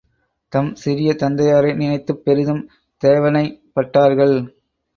தம் சிறிய தந்தையாரை நினைத்துப் பெரிதும் தேவனைப்பட்டார்கள்.